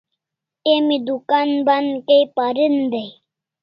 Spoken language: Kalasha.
Emi dukan ban Kai parin dai